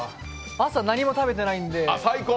朝何も食べてないんで。